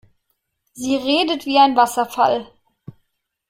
Sie redet wie ein Wasserfall.